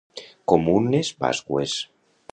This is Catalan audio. Com unes pasqües.